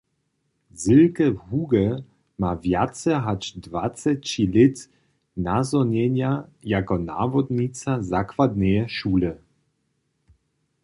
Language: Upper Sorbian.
Silke Huge ma wjace hač dwacećilětne nazhonjenja jako nawodnica zakładneje šule.